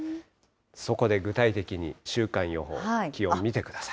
そこで具体的に、週間予報、気温見てください。